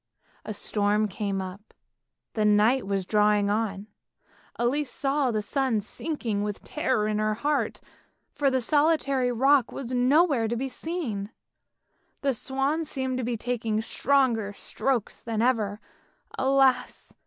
A storm came up, and night was drawing on; Elise saw the sun sinking with terror in her heart, for the solitary rock was nowhere to be seen. The swans seemed to be taking stronger strokes than ever; alas!